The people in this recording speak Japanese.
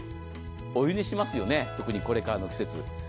お湯にしますよね、特にこれからの季節。